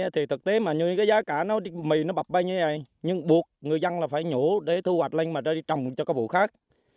thực tế giá cả mì bập bay như vậy nhưng buộc người dân phải nhũ để thu hoạch lên để trồng cho các vụ khác